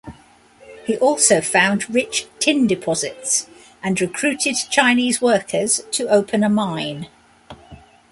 He also found rich tin deposits, and recruited Chinese workers to open a mine.